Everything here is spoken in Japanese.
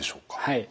はい。